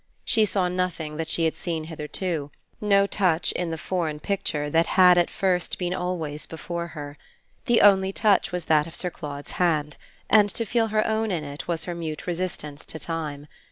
She saw nothing that she had seen hitherto no touch in the foreign picture that had at first been always before her. The only touch was that of Sir Claude's hand, and to feel her own in it was her mute resistance to time.